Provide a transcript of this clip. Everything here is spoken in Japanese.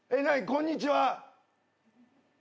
こんにちは！